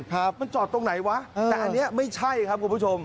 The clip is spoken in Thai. ครับมันจอดตรงไหนวะแต่อันนี้ไม่ใช่ครับคุณผู้ชม